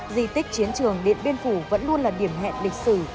di tích chiến trường điện biên phủ vẫn luôn là điểm hẹn lịch sử